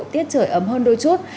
tiết trời ấm hơn đôi chút